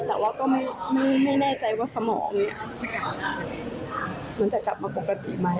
แต่ว่าก็ไม่แน่ใจว่าสมองหรือจะกลับมาปกติไหม